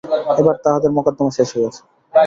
এবার তাঁহাদের মকদ্দমা শেষ হইয়াছে।